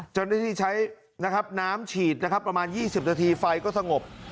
เจ้าหน้าที่ใช้น้ำฉีดประมาณ๒๐นาทีไฟก็สงบ